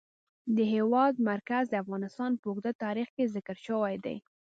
د هېواد مرکز د افغانستان په اوږده تاریخ کې ذکر شوی دی.